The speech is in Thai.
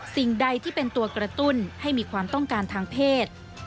สิ่งใดที่เป็นตัวกระตุ้นให้มีความต้องการทางเพศ